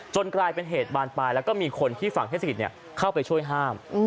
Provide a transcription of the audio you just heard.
กลายเป็นเหตุบานปลายแล้วก็มีคนที่ฝั่งเทศกิจเข้าไปช่วยห้าม